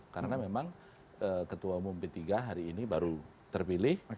karena memang ketua umum p tiga hari ini baru terpilih